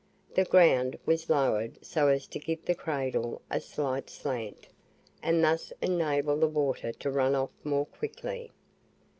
The ground was lowered so as to give the cradle a slight slant, and thus enable the water to run off more quickly.